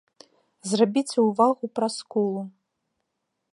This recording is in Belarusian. Зрабіце ўвагу пра скулу.